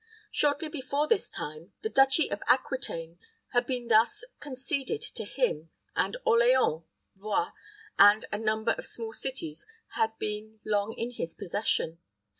Shortly before this time, the Duchy of Aquitaine had been thus conceded to him, and Orleans, Blois, and a number of small cities had been long in his possession.